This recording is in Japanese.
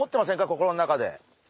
心の中で。